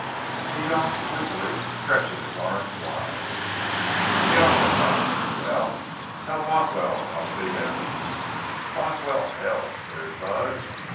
He yawned sleepily, stretching his arms wide. "The outfit, eh? Well, tell Bothwell I'll see him——" "Bothwell, hell!" sneered Bud.